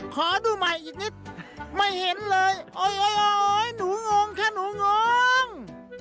ขอดูมาอีกนิดไม่เห็นเลยโอ๊ยโอ๊ยโอ๊ยหนูงงค่ะหนูงง